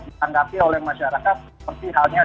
ditanggapi oleh masyarakat seperti halnya